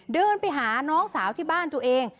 เดินไปหาน้องสาวที่บ้านตัวเอง